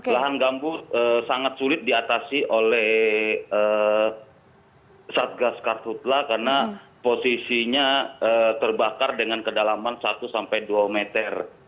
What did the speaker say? lahan gambut sangat sulit diatasi oleh satgas kartutla karena posisinya terbakar dengan kedalaman satu sampai dua meter